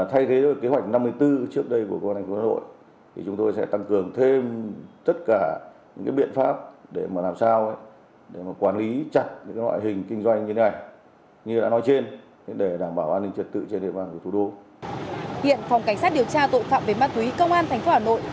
hiện phòng cảnh sát điều tra tội phạm về ma túy công an thành phố hà nội